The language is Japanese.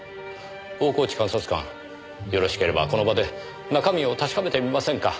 大河内監察官よろしければこの場で中身を確かめてみませんか。